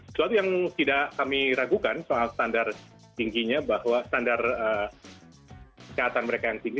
suatu yang tidak kami ragukan soal standar tingginya bahwa standar kesehatan mereka yang tinggi